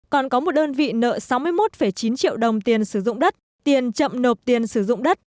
còn có một đơn vị nợ sáu mươi một chín triệu đồng tiền sử dụng đất tiền chậm nộp tiền sử dụng đất